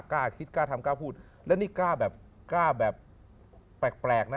กล้าคิดกล้าทำกล้าพูดและนี่กล้าแบบกล้าแบบแปลกนะ